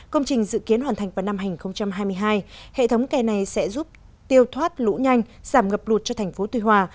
công trình dự kiến hoàn thành vào năm hai nghìn hai mươi hai hệ thống kè này sẽ giúp tiêu thoát lũ nhanh giảm ngập lụt cho thành phố tuy hòa